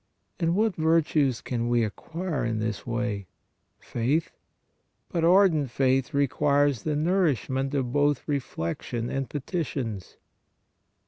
And what virtues can we acquire in this way? Faith? But ardent faith requires the nourishment of both reflection and petitions.